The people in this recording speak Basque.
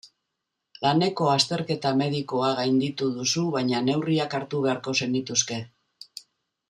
Laneko azterketa medikoa gainditu duzu baina neurriak hartu beharko zenituzke.